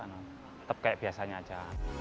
tetap kayak biasanya aja